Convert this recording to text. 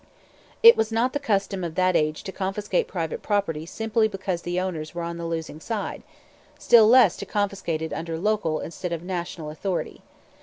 It was not the custom of that age to confiscate private property simply because the owners were on the losing side, still less to confiscate it under local instead of national authority.